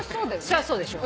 そりゃそうでしょ。